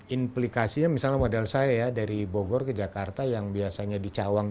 implikasinya misalnya modal saya ya dari bogor ke jakarta yang biasanya di cawang